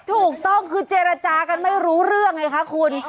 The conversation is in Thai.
ถูกต้องคือเจรจากันไม่รู้เรื่องไงคะคุณ